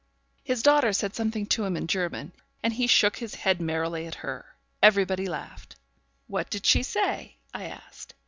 His daughter said something to him in German, and he shook his head merrily at her. Everybody laughed. 'What did she say?' I asked.